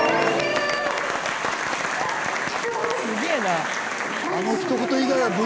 すげぇな。